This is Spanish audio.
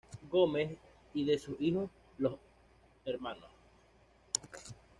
Gómez y de sus hijos, los Hnos.